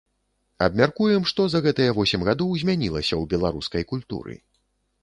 Абмяркуем, што за гэтыя восем гадоў змянілася ў беларускай культуры.